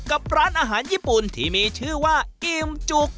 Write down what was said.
กับร้านอาหารญี่ปุ่นที่มีชื่อว่าอิ่มจุก